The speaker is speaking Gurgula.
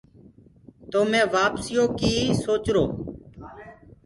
تو مي وآپسيٚ يو ڪيٚ سوچرو۔